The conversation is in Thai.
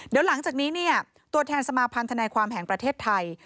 เดี๋ยวหลังจากนี้เนี่ยตัวแทนสมาพันธนายความแห่งประเทศไทย